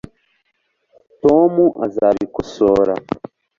tom azabikosora